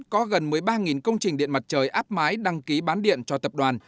có gần một mươi ba công trình điện mặt trời áp mái đăng ký bán điện cho tập đoàn